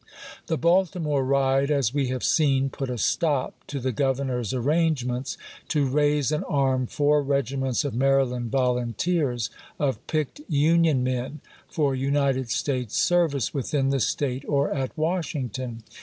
The Baltimore riot, as we have seen, put a stop Api.ig.isei. to the Governor's arrangements to raise and arm four regiments of Maryland volunteers, of picked Union men, for United States service within the State or at Washington.